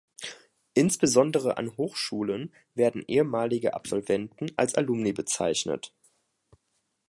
Insbesondere an Hochschulen werden ehemalige Absolventen als Alumni bezeichnet.